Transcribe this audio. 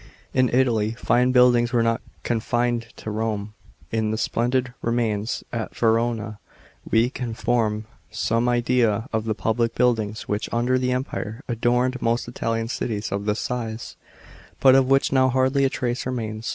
In Italy fine buddings were not confine! to Rome In the splendid rema ns at Verona we can form some idea of the public buildings which, under the Empire, adorned most Italian cities of this size, but of which now hardly a trace remains.